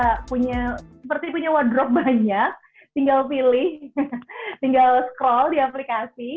seperti punya wardrobe banyak tinggal pilih tinggal scroll di aplikasi